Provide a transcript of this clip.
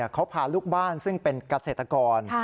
เขาพาลูกบ้านซึ่งเป็นเกษตรกร